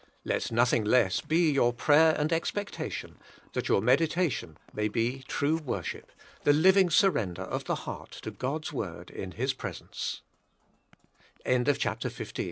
Let nothing less be your prayer and expectation, that your meditation may be true worship, the living surrender of the heart to God's Word in Hi